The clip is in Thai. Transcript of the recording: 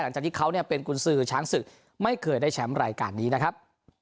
หลังจากที่เขาเป็นกุญสือช้างศึกไม่เคยได้แชมป์รายการนี้นะครับ